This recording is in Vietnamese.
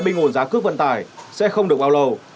bình ổn giá cước vận tải sẽ không được bao lâu